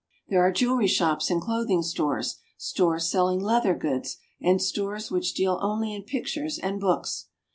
344 RUSSIA. There are jewelry shops and clothing stores, stores sell ing leather goods, and stores which deal only in pictures and books.